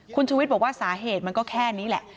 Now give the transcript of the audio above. คุณชุวิตบอกว่าสาเหตุมันก็แค่นี้แหละ